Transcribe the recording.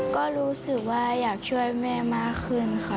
ก็รู้สึกว่าอยากช่วยแม่มากขึ้นค่ะ